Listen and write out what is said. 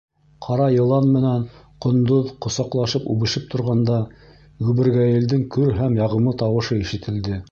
...Ҡара йылан менән ҡондоҙ ҡосаҡлашып үбешеп торғанда, гөбөргәйелдең көр һәм яғымлы тауышы ишетелде.